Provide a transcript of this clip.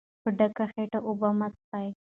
په ډکه خېټه اوبه مه څښئ.